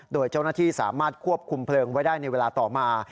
โดยเจ้าหน้าที่สามารถควบคุมเพลิงไว้ได้ในเวลาต่อมา